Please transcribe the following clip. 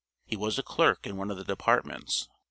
He was a clerk in one of the departments.